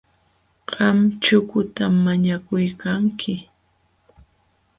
Qam chukutam mañakuykanki.,